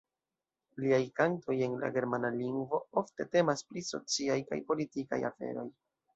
Liaj kantoj, en la germana lingvo, ofte temas pri sociaj kaj politikaj aferoj.